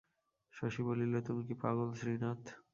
শশী বলিল, তুমি কী পাগল শ্রীনাথ?